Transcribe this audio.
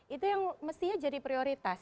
itu yang mestinya jadi prioritas